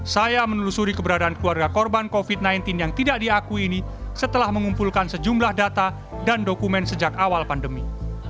saya menelusuri keberadaan keluarga korban covid sembilan belas yang tidak diakui ini setelah mengumpulkan sejumlah data dan dokumen sejak awal pandemi